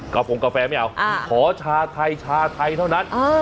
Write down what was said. กลับหลงกาแฟไม่เอาอ่าขอชาไทยชาไทยเท่านั้นอ่า